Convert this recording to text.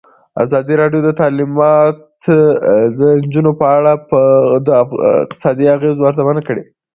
ازادي راډیو د تعلیمات د نجونو لپاره په اړه د اقتصادي اغېزو ارزونه کړې.